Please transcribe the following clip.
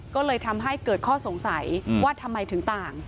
ก็เลยทำให้เกิดข้อสงสัยว่าทำไมถึงต่าง